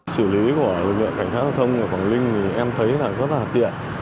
xử lý của đội cảnh sát giao thông ở quảng linh thì em thấy là rất là tiện